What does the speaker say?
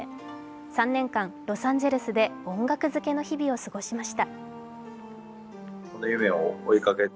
３年間、ロサンゼルスで音楽漬けの日々を過ごしました。